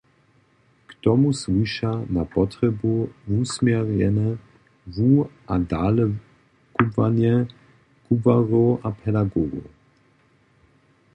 K tomu słuša na potrjebu wusměrjene wu- a dalekubłanje kubłarjow a pedagogow.